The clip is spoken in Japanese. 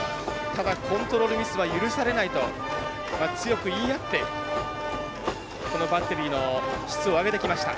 ただ、コントロールミスは許されないと強く言い合ってこのバッテリーの質を上げてきました。